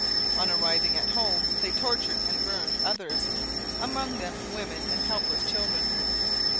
On arriving at home they tortured and burned others, among them women and helpless children.